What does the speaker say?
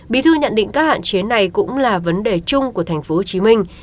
bí thư nhận định các hạn chế này cũng là vấn đề chung của tp thủ đức